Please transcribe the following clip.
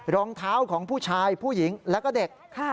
รองเท้าของผู้ชายผู้หญิงแล้วก็เด็ก